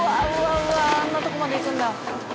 うわあんなとこまで行くんだ。